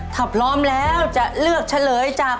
ถ้าพร้อมแล้วจะเลือกเฉลยจาก